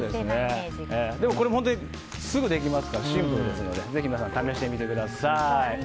これ、本当にすぐできますからシンプルですのでぜひ皆さん、試してみてください。